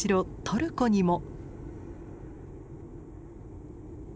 トルコにも。